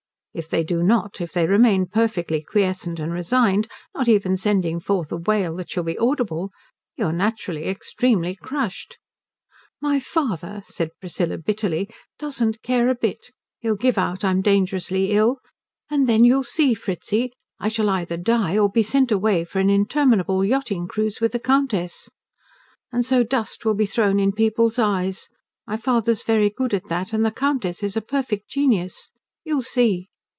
If they do not, if they remain perfectly quiescent and resigned, not even sending forth a wail that shall be audible, you are naturally extremely crushed. "My father," said Priscilla bitterly, "doesn't care a bit. He'll give out I'm dangerously ill, and then you'll see, Fritzi I shall either die, or be sent away for an interminable yachting cruise with the Countess. And so dust will be thrown in people's eyes. My father is very good at that, and the Countess is a perfect genius. You'll see."